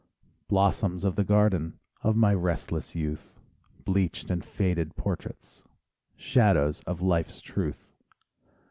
... Blossoms of the garden Of my restless youth, Bleached and faded portraits, Shadows of life's truth.